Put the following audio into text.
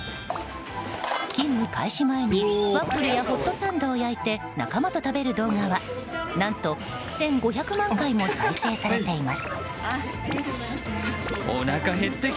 勤務開始前にワッフルやホットサンドを焼いて仲間と食べる動画は何と、１５００万回も再生されています。